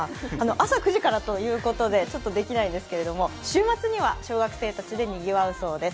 朝９時からということで、ちょっとできないんですけども、週末には小学生たちでにぎわうそうです。